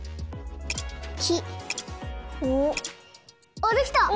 あっできた！